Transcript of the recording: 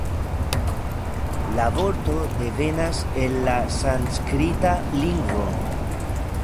La vorto devenas el la sanskrita lingvo.